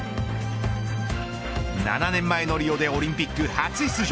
７年前のリオでオリンピック初出場。